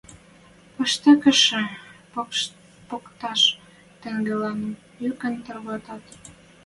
Паштекшӹ покташ тӹнгӓлӹн юкым тӓрвӓтӓт.